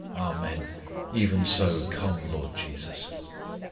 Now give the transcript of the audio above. Amen. Even so, come, LORD JESUS."